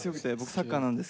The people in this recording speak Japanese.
サッカーです。